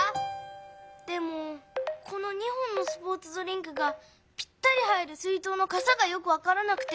でもこの２本のスポーツドリンクがぴったり入る水とうのかさがよくわからなくて。